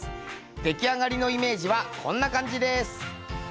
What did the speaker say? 出来上がりのイメージはこんな感じです。